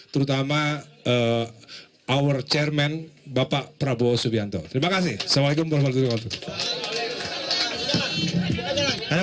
terutama our chairman bapak prabowo subianto terima kasih assalamualaikum warahmatullahi wabarakatuh